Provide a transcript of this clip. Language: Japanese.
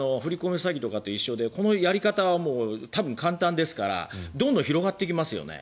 詐欺とかと一緒でこのやり方は多分、簡単ですからどんどん広がっていきますよね。